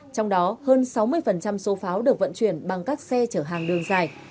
trong đó hơn sáu mươi số pháo được vận chuyển bằng các xe chở hàng đường dài